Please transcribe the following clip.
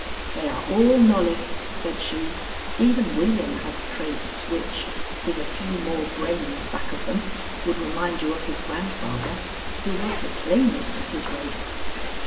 "They are all Knollys," said she. "Even William has traits which, with a few more brains back of them, would remind you of his grandfather, who was the plainest of his race."